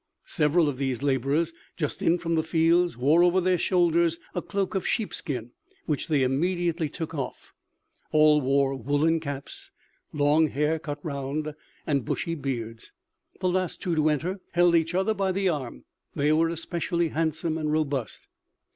Several of these laborers, just in from the fields, wore over their shoulders a cloak of sheep skin, which they immediately took off. All wore woolen caps, long hair cut round, and bushy beards. The last two to enter held each other by the arm; they were especially handsome and robust.